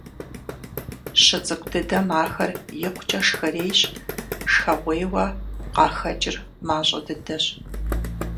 ЩыцӀыкӀу дыдэм ахэр икъукӀэ шхэрейщ, шхэгъуейуэ къахэкӀыр мащӀэ дыдэщ.